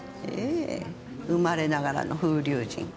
ええ生まれながらの風流人。